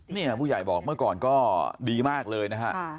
ผู้ใหญ่บอกเมื่อก่อนก็ดีมากเลยนะฮะ